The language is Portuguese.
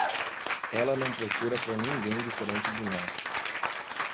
Ela não procura por ninguém diferente de nós.